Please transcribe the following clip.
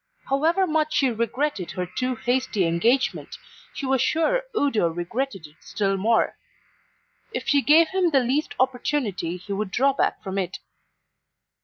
However much she regretted her too hasty engagement, she was sure Udo regretted it still more. If she gave him the least opportunity he would draw back from it.